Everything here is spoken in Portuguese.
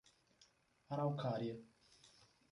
Araucária